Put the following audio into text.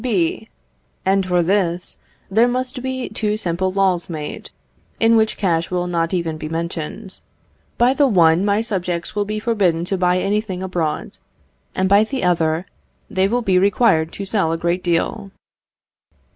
B. And for this there must be two simple laws made, in which cash will not even be mentioned. By the one, my subjects will be forbidden to buy anything abroad; and by the other, they will be required to sell a great deal.